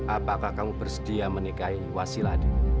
apakah kamu bersedia menikahi wasiladi